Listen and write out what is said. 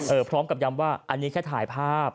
พร้อมกับย้ำว่าอันนี้แค่ถ่ายภาพ